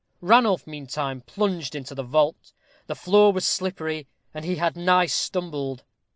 Ranulph, meantime, plunged into the vault. The floor was slippery, and he had nigh stumbled.